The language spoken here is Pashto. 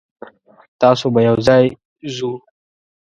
تاسو به یوځای ځو.